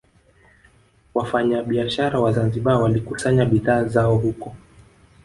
Wafanyabiashara wa Zanzibar walikusanya bidhaa zao huko